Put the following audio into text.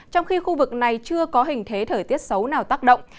trong khi khu vực này chưa có hình thế thời tiết xấu nào tác động